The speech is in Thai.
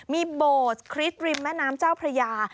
มีโบสถ์คริสต์ริมแม่น้ำเจ้าพระยา